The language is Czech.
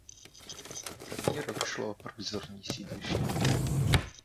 První rok šlo o provizorní sídliště.